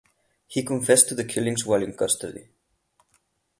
He confessed to the killings while in custody.